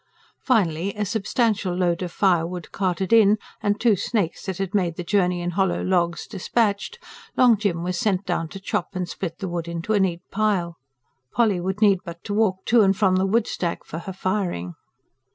Finally, a substantial load of firewood carted in, and two snakes that had made the journey in hollow logs dispatched, Long Jim was set down to chop and split the wood into a neat pile. Polly would need but to walk to and from the woodstack for her firing.